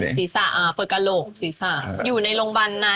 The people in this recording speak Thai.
คิดว่านั้นอะเขามา